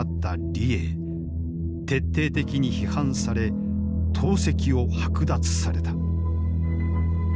徹底的に批判され党籍を剥奪された。